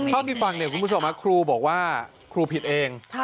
เพิ่งไปฟังคุณผู้ชมครูบอกว่าครูผิดเอง